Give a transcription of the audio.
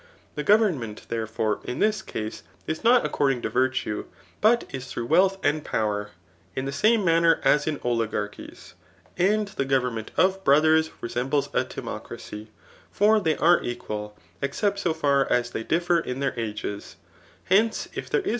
The government, therefore, in this case, is mtt according to virtue, but b through wealth and power, in the same manner as in oligarchies. And die government of brothers resembles a dmocracy ; for they are e()ttal, except so far as they differ in thdr ages. 'Hence, if there is